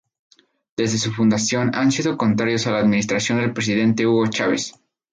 Desde su fundación han sido contrarios a la administración del presidente Hugo Chávez.